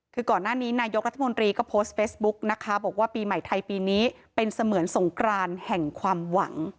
คือก่อนหน้านี้นายกรัฐมนตรีก็โพสต์เฟซบุ๊กนะคะบอกว่าปีใหม่ไทยปีนี้เป็นเสมือนสงกรานแห่งความหวัง